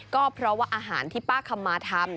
ก็เพราะว่าอาหารที่ป้าคำมาทำ